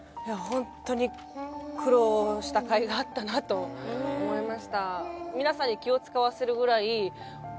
ホントに苦労した甲斐があったなと思いました